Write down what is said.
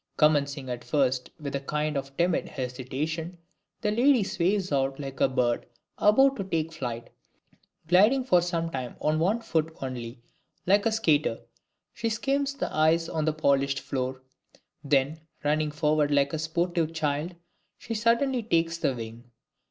Commencing at first with a kind of timid hesitation, the lady sways about like a bird about to take flight; gliding for some time on one foot only, like a skater, she skims the ice of the polished floor; then, running forward like a sportive child, she suddenly takes wing.